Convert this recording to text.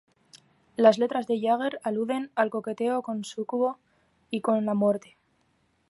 Las letras de Jagger aluden al coqueteo con Súcubo o con la muerte.